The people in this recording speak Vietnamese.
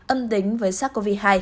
âm tính với sars cov hai